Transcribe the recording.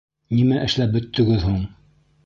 Нимә эшләп бөттөгөҙ һуң?